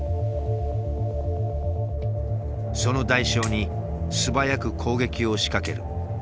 その代償に素早く攻撃を仕掛ける激しい戦法だ。